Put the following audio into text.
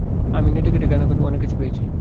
আমি নেটে ঘাঁটাঘাঁটি করে অনেককিছু পেয়েছি।